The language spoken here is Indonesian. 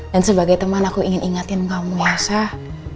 dan sebagai teman aku ingin ingatin kamu ya sah